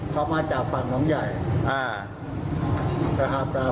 เขามาจากฝั่งน้องใหญ่อ่า